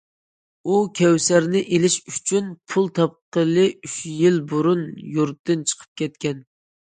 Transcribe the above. ئۇ كەۋسەرنى ئېلىش ئۈچۈن پۇل تاپقىلى ئۈچ يىل بۇرۇن يۇرتتىن چىقىپ كەتكەن.